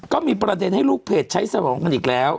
ก็มีประเด็นให้ลูกเพจใช้สมองกันอีกแล้ว